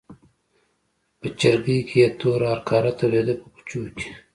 په چرګۍ کې یې توره هرکاره تودېده په کوچو کې.